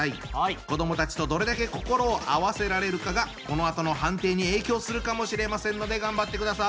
子どもたちとどれだけ心を合わせられるかがこのあとの判定に影響するかもしれませんので頑張ってください。